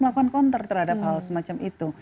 melakukan counter terhadap hal semacam itu